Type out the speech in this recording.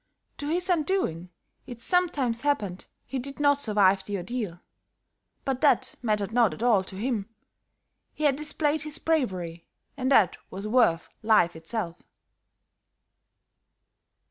To his undoing, it sometimes happened he did not survive the ordeal; but that mattered not at all to him; he had displayed his bravery and that was worth life itself.